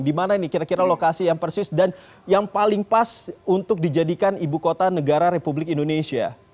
di mana ini kira kira lokasi yang persis dan yang paling pas untuk dijadikan ibu kota negara republik indonesia